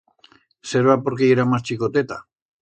Serba porque yera mas chicoteta.